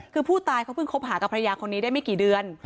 คือผู้ตายเขาเพิ่งคบหากับภรรยาคนนี้ได้ไม่กี่เดือน